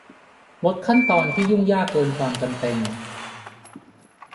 ลดขั้นตอนที่ยุ่งยากเกินความจำเป็น